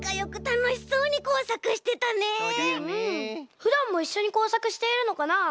ふだんもいっしょにこうさくしているのかな？